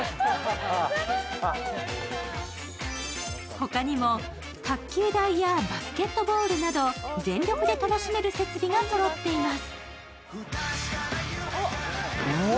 他にも卓球台やバスケットボールなど全力で楽しめる設備がそろっています。